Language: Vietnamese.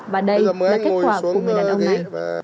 và đây cũng là kết quả của người đàn ông này